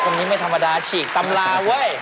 โอ้โหคนนี้ไม่ธรรมดาตำราเว้ย